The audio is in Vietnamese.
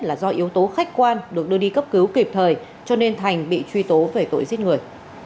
là do yếu tố khách quan được đưa đi cấp cứu kịp thời cho nên thành bị truy tố về tội giết người